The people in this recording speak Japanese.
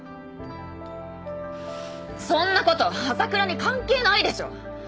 そんなこと朝倉に関係ないでしょ。